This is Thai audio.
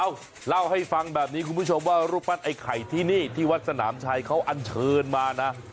เล่าให้ฟังแบบนี้คุณผู้ชมว่ารูปปั้นไอ้ไข่ที่นี่ที่วัดสนามชัยเขาอันเชิญมานะ